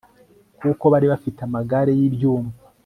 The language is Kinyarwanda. kuko bari bafite amagare y'ibyuma